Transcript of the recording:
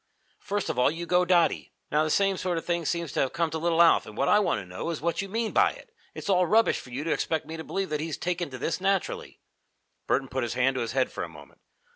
First of all you go dotty. Now the same sort of thing seems to have come to little Alf, and what I want to know is what you mean by it? It's all rubbish for you to expect me to believe that he's taken to this naturally." Burton put his hand to his head for a moment.